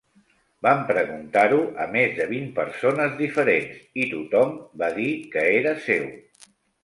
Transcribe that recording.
Vam preguntar-ho a més de vint persones diferents i tothom va dir que era seu.